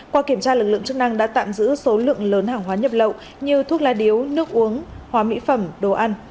qua kiểm tra lực lượng chức năng đã tạm giữ số lượng lớn hàng hóa nhập lậu như thuốc lá điếu nước uống hóa mỹ phẩm đồ ăn